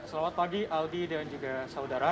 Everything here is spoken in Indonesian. selamat pagi aldi dan juga saudara